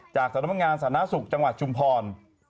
จากสรรพงาสนาศุกร์จังหวัดชุมพร